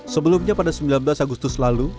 sebelumnya pada sembilan belas agustus lalu